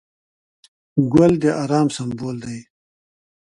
ګل د ارام سمبول دی.